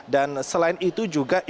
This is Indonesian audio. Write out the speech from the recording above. dan selain itu juga irfanto